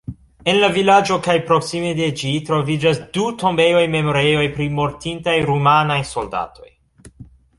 En la vilaĝo kaj proksime de ĝi troviĝas du tombejoj-memorejoj pri mortintaj rumanaj soldatoj.